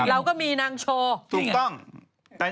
เราก็มีนางโชว์ถูกต้อง